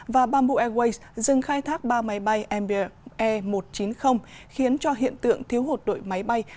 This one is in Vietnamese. và bamboo airways dừng khai thác ba máy bay mbe một trăm chín mươi khiến cho hiện tượng thiếu hụt đội máy bay